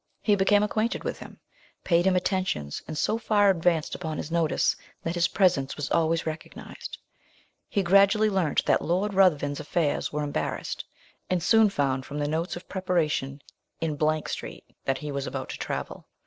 He became acquainted with him, paid him attentions, and so far advanced upon his notice, that his presence was always recognised. He gradually learnt that Lord Ruthven's affairs were embarrassed, and soon found, from the notes of preparation in Street, that he was about to travel.